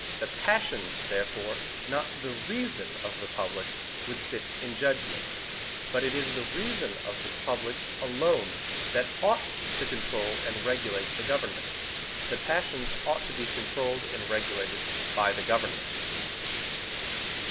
The PASSIONS, therefore, not the REASON, of the public would sit in judgment. But it is the reason, alone, of the public, that ought to control and regulate the government. The passions ought to be controlled and regulated by the government.